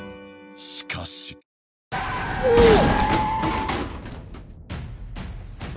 しかしうおっ！